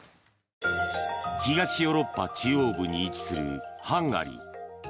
東ヨーロッパ中央部に位置するハンガリー。